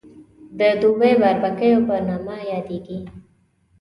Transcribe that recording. د دوبۍ باربکیو په نامه یادېږي.